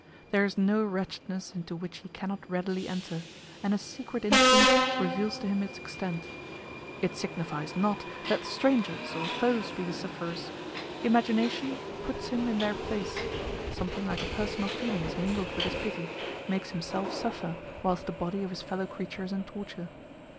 There is no wretchedness into which he cannot readily enter, and a secret instinct reveals to him its extent. It signifies not that strangers or foes be the sufferers; imagination puts him in their place; something like a personal feeling is mingled with his pity, and makes himself suffer whilst the body of his fellow creature is in torture.